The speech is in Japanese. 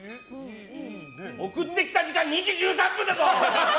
送ってきた時間２時１３分だぞ！